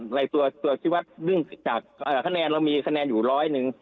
หลายตัวชีวัตรดึงจากขนาดเรามีขนาดอยู่ร้อยหนึ่ง